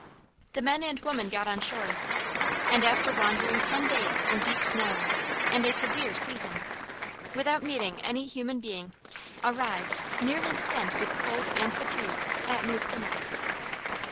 The men and women got on shore, and after wandering ten days in deep snow and a severe season, without meeting any human being, arrived, nearly spent with cold and fatigue, at New Plymouth.